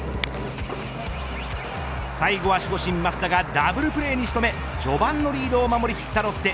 最後は守護神益田がダブルプレーにしとめ序盤のリードを守りきったロッテ